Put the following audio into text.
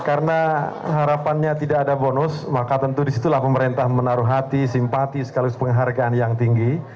karena harapannya tidak ada bonus maka tentu disitulah pemerintah menaruh hati simpati sekaligus penghargaan yang tinggi